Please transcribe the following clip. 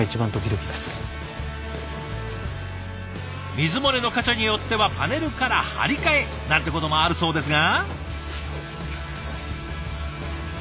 水漏れの箇所によってはパネルから張り替えなんてこともあるそうですが。